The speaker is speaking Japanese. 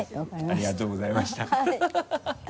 ありがとうございました